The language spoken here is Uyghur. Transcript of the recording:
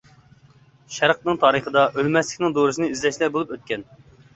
شەرقنىڭ تارىخىدا ئۆلمەسلىكنىڭ دورىسىنى ئىزدەشلەر بولۇپ ئۆتكەن.